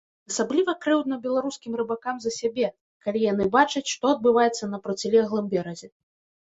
Асабліва крыўдна беларускім рыбакам за сябе, калі яны бачаць, што адбываецца на процілеглым беразе.